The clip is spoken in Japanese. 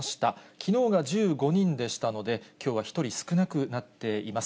きのうが１５人でしたので、きょうは１人少なくなっています。